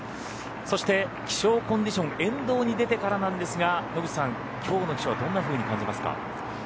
そして気象コンディション沿道に出てからなんですが野口さんきょうの気象はどんなふうに感じますか？